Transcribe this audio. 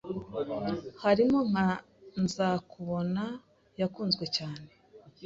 harimo nka Nzakubona yakunzwe cyane